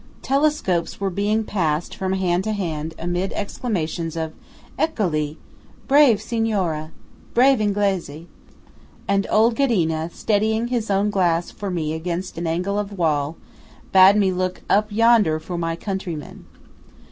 Telescopes were being passed from hand to hand amid exclamations of "Eccoli!" "Brave Signore!" "Brave Inglese!"–and old Ghedina, steadying his own glass for me against an angle of wall, bade me look "up yonder" for my countrymen.